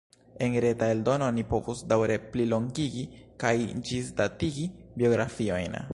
En reta eldono oni povus daŭre plilongigi kaj ĝisdatigi biografiojn.